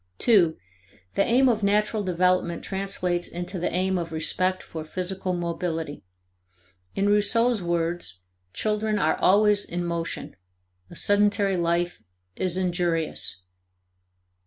(2) The aim of natural development translates into the aim of respect for physical mobility. In Rousseau's words: "Children are always in motion; a sedentary life is injurious."